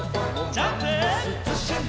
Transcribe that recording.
ジャンプ！